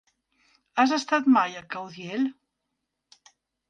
Has estat mai a Caudiel?